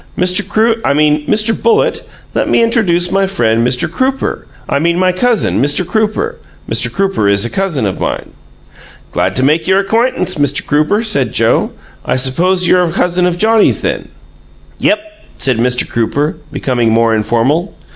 "Mr. Croo I mean, Mr. Bullitt, let me intradooce my friend, Mr. Crooper I mean my cousin, Mr. Crooper. Mr. Crooper is a cousin of mine." "Glad to make your acquaintance, Mr. Crooper," said Joe. "I suppose you're a cousin of Johnnie's, then?" "Yep," said Mr. Crooper, becoming more informal.